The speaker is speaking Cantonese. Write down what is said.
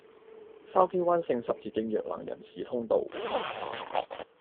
筲箕灣聖十字徑弱能人士通道